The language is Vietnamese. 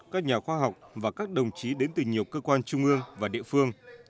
các nhà khoa học và các đồng chí đến từ nhiều cơ quan trung ương và địa phương